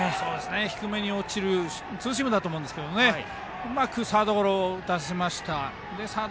低めに落ちるツーシームだと思いますけどうまくサードゴロを打たせました。